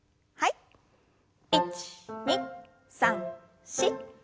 １２３４。